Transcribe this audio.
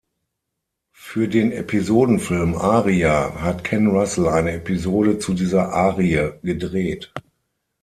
Für den Episodenfilm "Aria" hat Ken Russell eine Episode zu dieser Arie gedreht.